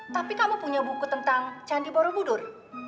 tapi kamu punya buku tentang candi borobudur